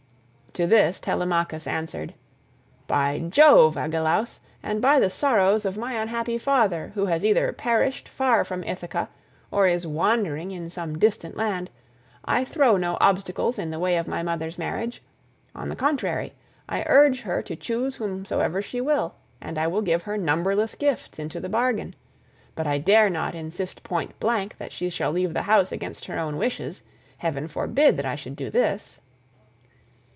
'" To this Telemachus answered, "By Jove, Agelaus, and by the sorrows of my unhappy father, who has either perished far from Ithaca, or is wandering in some distant land, I throw no obstacles in the way of my mother's marriage; on the contrary I urge her to choose whomsoever she will, and I will give her numberless gifts into the bargain, but I dare not insist point blank that she shall leave the house against her own wishes. Heaven forbid that I should do this."